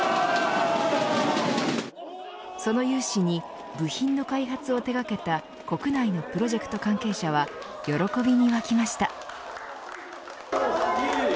その勇姿に部品の開発を手掛けた国内のプロジェクト関係者は喜びに沸きました。